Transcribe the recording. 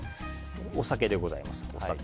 お酒でございます。